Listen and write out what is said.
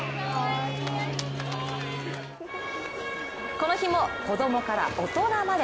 この日も子供から大人まで。